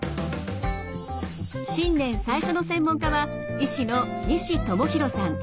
新年最初の専門家は医師の西智弘さん。